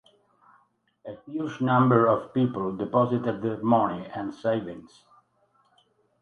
A huge number of people deposited their money and savings.